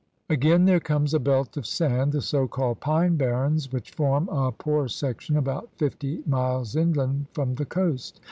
Again there comes a belt of sand, the so called "pine barrens," which form a poor section about fifty miles inland from the coast.